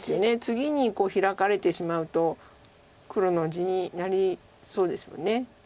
次にヒラかれてしまうと黒の地になりそうですもんね。